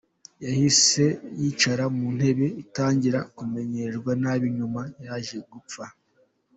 Yahise yicara mu ntebe atangira kumererwa nabi nyuma yaje gupfa.